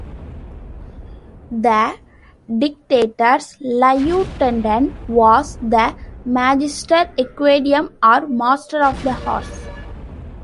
The dictator's lieutenant was the magister equitum, or "master of the horse".